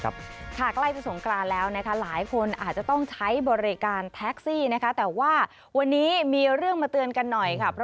ใกล้ที่สงกลานแล้วหลายคนอาจจะต้องใช้บริการแท็กซี่วันนี้มีเรื่องมาเตือนกันหน่อย